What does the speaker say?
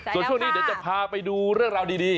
ส่วนช่วงนี้เดี๋ยวจะพาไปดูเรื่องราวดี